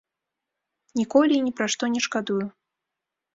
Ніколі і ні пра што не шкадую.